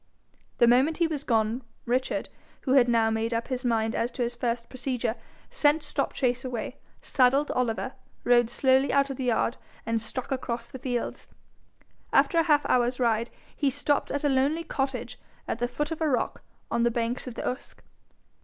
The moment he was gone, Richard, who had now made up his mind as to his first procedure, sent Stopchase away, saddled Oliver, rode slowly out of the yard, and struck across the fields. After a half hour's ride he stopped at a lonely cottage at the foot of a rock on the banks of the Usk.